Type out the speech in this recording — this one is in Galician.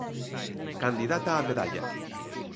Candidata á medalla.